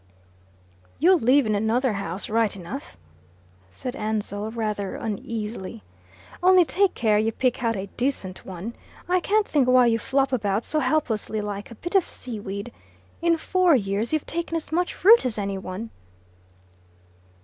"You'll live in another house right enough," said Ansell, rather uneasily. "Only take care you pick out a decent one. I can't think why you flop about so helplessly, like a bit of seaweed. In four years you've taken as much root as any one."